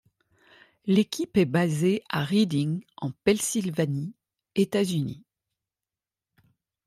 L'équipe est basée à Reading en Pennsylvanie, États-Unis.